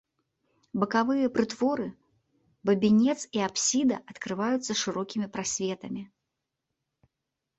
Бакавыя прытворы, бабінец і апсіда адкрываюцца шырокімі прасветамі.